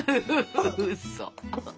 うそ。